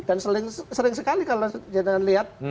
dan sering sekali kalau